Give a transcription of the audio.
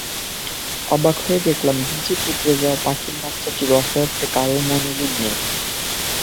অবাক হয়ে দেখলাম, ভিজে কুঁকড়ে যাওয়া পাখির বাচ্চাটির অসহায়ত্বে কারও মনোযোগ নেই।